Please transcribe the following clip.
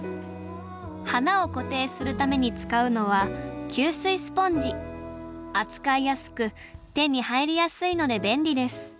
花を固定するために使うのは扱いやすく手に入りやすいので便利です。